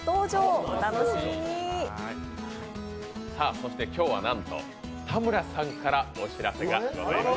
そして今日はなんと、田村さんからお知らせがございます。